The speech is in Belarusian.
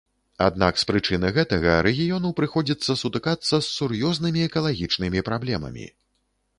Аднак з прычыны гэтага рэгіёну прыходзіцца сутыкацца з сур'ёзнымі экалагічнымі праблемамі.